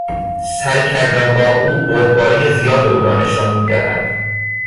سر کردن با او، بردباری زیاد او را نشان میدهد.